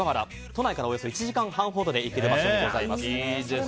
都内からおよそ１時間半ほどで行ける場所にございます。